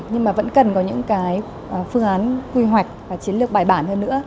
nhưng mà vẫn cần có những cái phương án quy hoạch và chiến lược bài bản hơn nữa